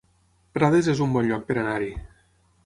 Prades es un bon lloc per anar-hi